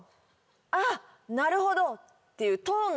「あっなるほど！」っていう。